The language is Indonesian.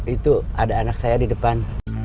itu ada anak saya di depan